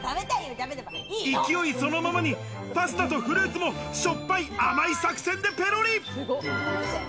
勢いそのままに、パスタとフルーツも、しょっぱい甘い作戦でペロリ。